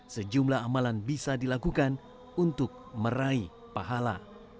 sejumlah amalan bisa dilakukan untuk meraih pahala